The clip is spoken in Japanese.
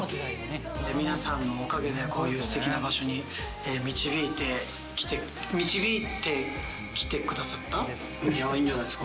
皆さんのおかげで、こういうすてきな場所に導いてきて、いいんじゃないですか？